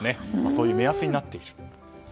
そういう目安になっていると。